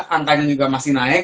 antanya juga masih naik